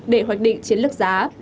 để hoạch định chiến lược giá